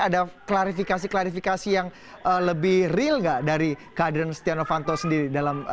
ada klarifikasi klarifikasi yang lebih real nggak dari keadiran setien novanto sendiri